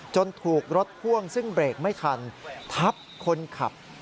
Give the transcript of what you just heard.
ถูกรถพ่วงซึ่งเบรกไม่ทันทับคนขับ